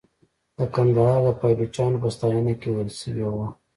د کندهار د پایلوچانو په ستاینه کې ویل شوې وه.